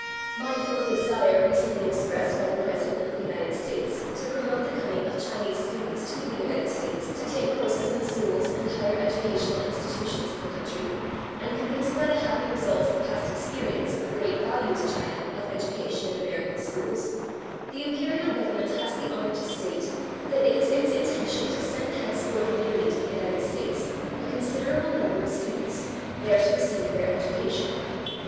Mindful of the desire recently expressed by the President of the United States to promote the coming of Chinese students to the United States to take courses in the schools and higher educational institutions of the country, and convinced by the happy results of past experience of the great value to China of education in American schools, the Imperial Government has the honor to state that it is its intention to send henceforth yearly to the United States a considerable number of students, there to receive their education.